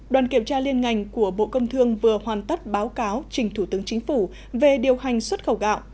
đoàn kiểm tra liên ngành của bộ công thương vừa hoàn tất báo cáo trình thủ tướng chính phủ về điều hành xuất khẩu gạo